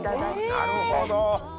なるほど。